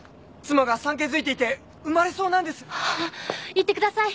行ってください！